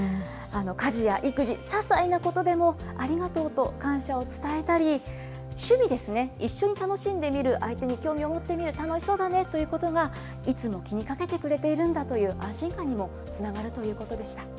家事や育児、ささいなことでもありがとうと、感謝を伝えたり、趣味ですね、一緒に楽しんでみる、相手に興味を持ってみる、楽しそうだねということが、いつも気にかけてくれているんだという安心感にもつながるということでした。